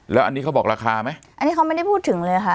แล้วอันนี้เขาบอกราคาไหมอันนี้เขาไม่ได้พูดถึงเลยค่ะ